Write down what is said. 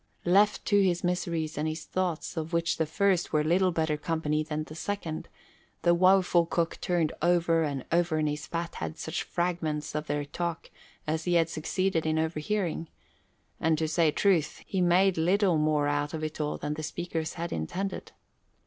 Left to his miseries and his thoughts, of which the first were little better company than the second, the woeful cook turned over and over in his fat head such fragments of their talk as he had succeeded in overhearing, and to say truth, he made little more out of it all than the speakers had intended.